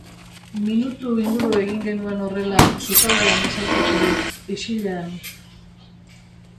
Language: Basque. Minutu inguru egin genuen horrela, sukaldean besarkaturik, isilean.